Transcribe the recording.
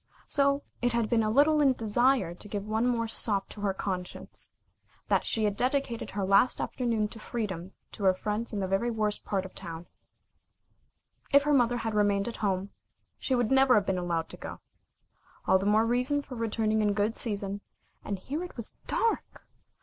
So it had been a little in a desire to give one more sop to her conscience, that she had dedicated her last afternoon to freedom to her friends in the very worst part of the town. If her mother had remained at home, she would never have been allowed to go. All the more reason for returning in good season, and here it was dark!